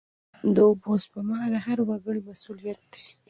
د اوبو سپما د هر وګړي مسوولیت دی.